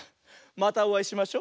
またおあいしましょ。